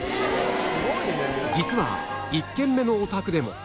実は１軒目のお宅でも